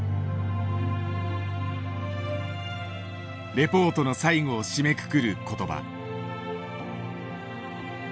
レポートの最後を締めくくる言葉。